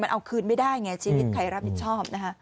มันเอาคืนไม่ได้ไงชีวิตใครรับผิดชอบนะคะ